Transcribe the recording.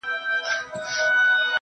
د سبا نری شماله د خدای روی مي دی دروړی!.